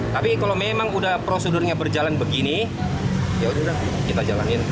tapi kalau memang udah prosedurnya berjalan begini yaudah kita jalanin